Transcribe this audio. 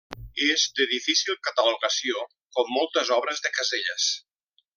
És de difícil catalogació, com moltes obres de Caselles.